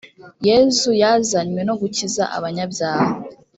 yezu yazanywe no gukiza abanyabyaha